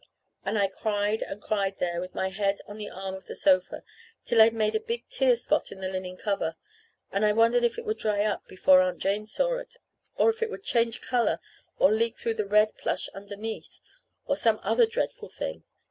And I cried and cried there, with my head on the arm of the sofa, till I'd made a big tear spot on the linen cover; and I wondered if it would dry up before Aunt Jane saw it, or if it would change color or leak through to the red plush underneath, or some other dreadful thing.